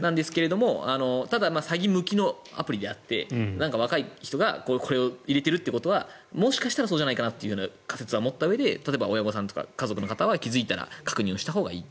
ただ、詐欺向きのアプリであって若い人がこれを入れているということはもしかしたらそうじゃないかなという仮説を持ったうえで例えば、親御さんとか家族の方は気付いたら確認をしたほうがいいと。